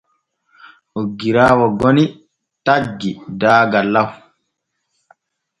Oggiraawo goni taggi daaga lallaw.